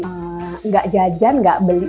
jadi gak jajan gak beli